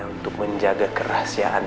untuk menjaga kerahasiaan